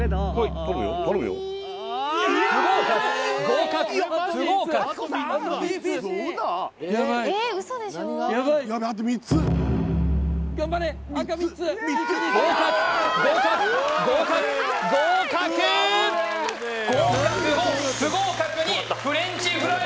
不合格合格不合格合格合格合格合格合格５不合格２フレンチフライ